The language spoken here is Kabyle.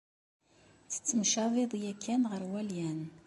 Tettemcabiḍ yakan ɣer walyan.